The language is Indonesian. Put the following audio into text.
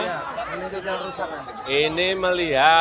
kita datang ke lampung kenapa jalan rusak